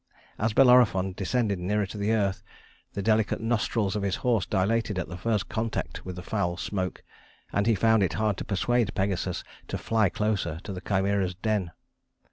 As Bellerophon descended nearer to the earth, the delicate nostrils of his horse dilated at the first contact with the foul smoke, and he found it hard to persuade Pegasus to fly closer to the Chimæra's den.